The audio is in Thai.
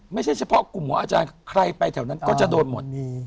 ไม่ใช่เฉพาะกลุ่มของอาจารย์ใครไปแถวนั้นก็จะโดนหมดนี้